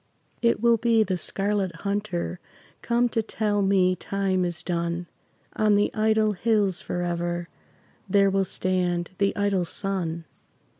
It will be the Scarlet Hunter Come to tell me time is done; On the idle hills forever There will stand the idle sun.